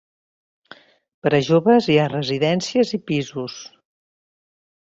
Per a joves hi ha Residències i pisos.